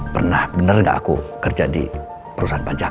pernah bener nggak aku kerja di perusahaan pajak